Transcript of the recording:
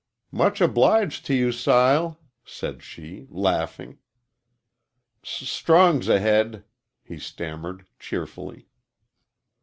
"Much obliged to you, Sile," said she, laughing. "S Strong's ahead!" he stammered, cheerfully.